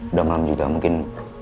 udah malam juga mungkin